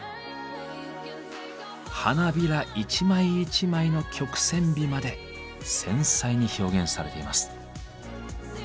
花びら一枚一枚の曲線美まで繊細に表現されています。